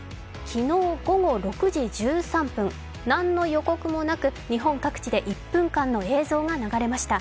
昨日午後６時１３分、何の予告もなく日本各地で１分間の映像が流れました。